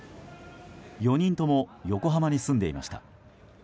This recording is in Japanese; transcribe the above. ４人とも横浜に住んでいました。